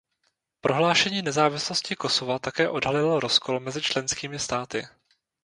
Prohlášení nezávislosti Kosova také odhalilo rozkol mezi členskými státy.